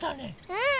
うん！